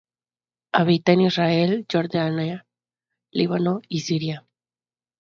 Habita en Israel, Jordania, Líbano y Siria.